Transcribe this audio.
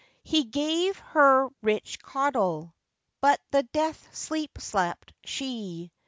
He gave her rich caudle, But the death sleep slept she.